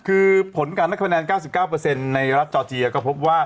คือผลการนับคะแนน๙๙ในรัฐจอร์เจียก็พบว่า